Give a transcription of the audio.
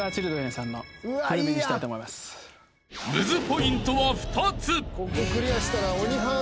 ［ムズポイントは２つ］